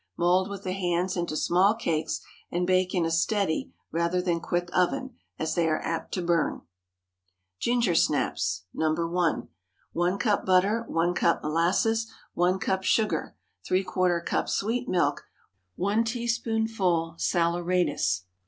Mould with the hands into small cakes, and bake in a steady rather than quick oven, as they are apt to burn. GINGER SNAPS. (No. 1.) 1 cup butter. 1 cup molasses. 1 cup sugar. ¾ cup sweet milk. 1 teaspoonful saleratus.